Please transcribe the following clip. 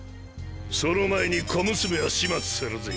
その前に小娘は始末するぜ。